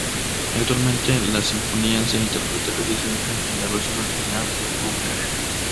Actualmente, la sinfonía se interpreta casi siempre en la versión original de Bruckner.